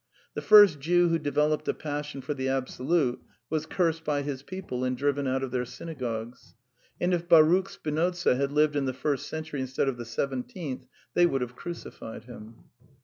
The first Jew who developed a passion for the Absolute was cursed by his people and driven out of their synagogues. And if Baruch Spinoza had lived in the first century instead of the seventeenth they would have crucified him.